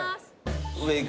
上行く？